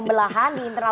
gitu lah kira kira